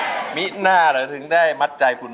แก้มขอมาสู้เพื่อกล่องเสียงให้กับคุณพ่อใหม่นะครับ